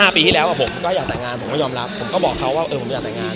ปีที่แล้วผมก็อยากแต่งงานผมก็ยอมรับผมก็บอกเขาว่าผมอยากแต่งงาน